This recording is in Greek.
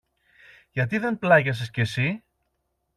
Γιατί δεν πλάγιασες και συ;